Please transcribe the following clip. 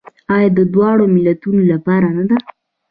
آیا د دواړو ملتونو لپاره نه ده؟